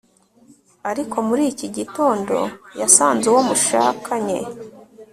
ariko muri iki gitondo, yasanze uwo bashakanye